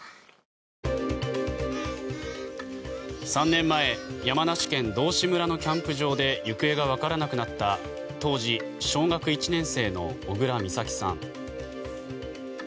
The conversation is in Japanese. ３年前山梨県道志村のキャンプ場で行方がわからなくなった当時、小学１年生の小倉美咲さん。